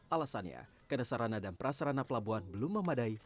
alasannya kedesarana dan prasarana pelabuhan belum memadai